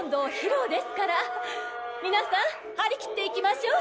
皆さんはりきっていきましょう。